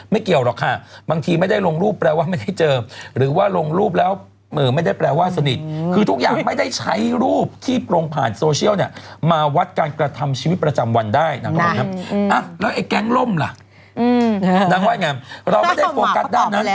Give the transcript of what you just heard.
ไม่เกี่ยวหรอกค่ะบางทีไม่ได้ลงรูปแปลว่าไม่ได้เจอหรือว่าลงรูปแล้วไม่ได้แปลว่าสนิทคือทุกอย่างไม่ได้ใช้รูปที่โปรงผ่านโซเชียลเนี่ยมาวัดการกระทำชีวิตประจำวันได้นะครับผมครับอ่ะแล้วไอ้แก๊งล่มล่ะอืมนั่งว่าไง